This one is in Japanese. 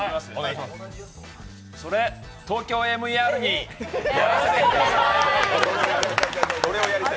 それ、「ＴＯＫＹＯＭＥＲ」にやらせてください。